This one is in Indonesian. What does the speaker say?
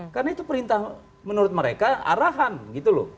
karena itu perintah menurut mereka arahan gitu loh